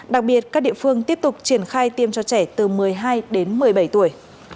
đặc biệt các địa phương tiếp tục triển khai tiêm cho trẻ từ một mươi hai đến một mươi bảy tuổi